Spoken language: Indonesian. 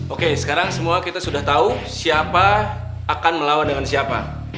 oke sekarang semua kita sudah tahu siapa akan melawan dengan siapa